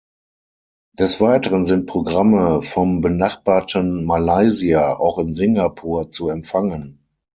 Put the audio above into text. Des Weiteren sind Programme vom benachbarten Malaysia auch in Singapur zu empfangen.